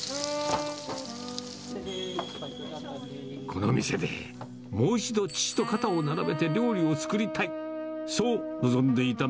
この店で、もう一度父と肩を並べて料理を作りたい。